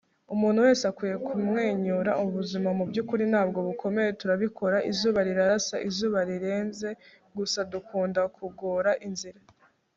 umuntu wese akwiye kumwenyura. ubuzima mubyukuri ntabwo bukomeye. turabikora. izuba rirarasa. izuba rirenze. gusa dukunda kugora inzira